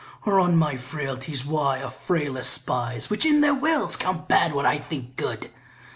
Or on my frailties why are frailer spies, Which in their wills count bad what I think good?